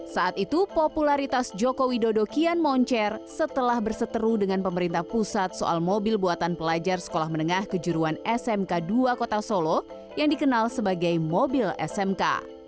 saat itu popularitas joko widodo kian moncer setelah berseteru dengan pemerintah pusat soal mobil buatan pelajar sekolah menengah kejuruan smk dua kota solo yang dikenal sebagai mobil smk